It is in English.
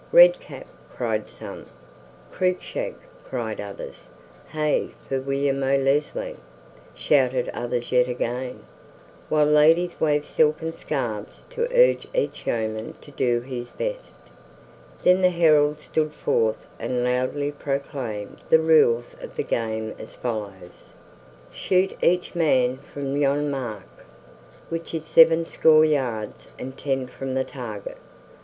"Red Cap!" cried some; "Cruikshank!" cried others; "Hey for William o' Leslie!" shouted others yet again; while ladies waved silken scarfs to urge each yeoman to do his best. Then the herald stood forth and loudly proclaimed the rules of the game as follows: "Shoot each man from yon mark, which is sevenscore yards and ten from the target.